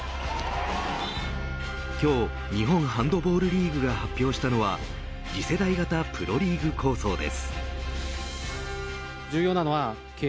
今日、日本ハンドボールリーグが発表したのは次世代型プロリーグ構想です。